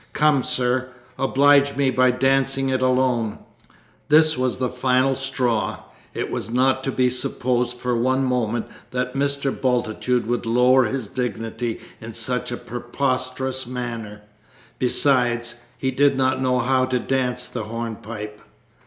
Come, sir, oblige me by dancing it alone!" This was the final straw. It was not to be supposed for one moment that Mr. Bultitude would lower his dignity in such a preposterous manner. Besides, he did not know how to dance the hornpipe.